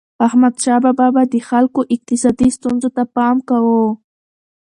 احمدشاه بابا به د خلکو اقتصادي ستونزو ته پام کاوه.